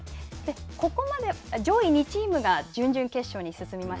ここまで上位２チームが準々決勝に進みます。